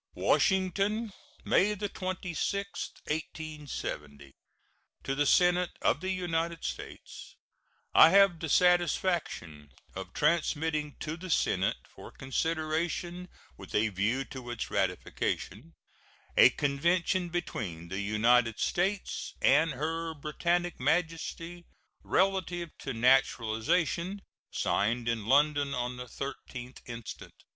] WASHINGTON, May 26, 1870. To the Senate of the United States: I have the satisfaction of transmitting to the Senate, for consideration with a view to its ratification, a convention between the United States and Her Britannic Majesty, relative to naturalization, signed in London on the 13th instant.